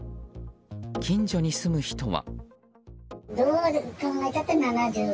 近所に住む人は。